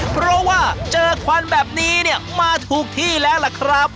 เพราะว่าเจอควันแบบนี้เนี่ยมาถูกที่แล้วล่ะครับ